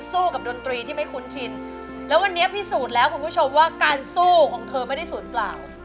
สู้กับดนตรีที่ไม่คุ้นชินแล้ววันนี้พิสูจน์แล้วคุณผู้ชมว่าการสู้ของเธอไม่ได้ศูนย์เปล่า